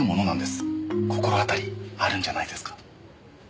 心当たりあるんじゃないですか？